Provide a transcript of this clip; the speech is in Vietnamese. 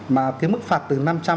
mà cái mức phạt từ năm trăm linh